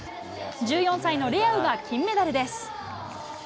１４歳のレアウが金メダルです。